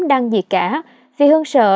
đăng gì cả vì hương sợ